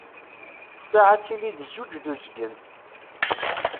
Ssaɛa ad tili d zzuǧ d uzgen.